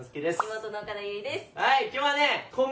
妹の岡田結実です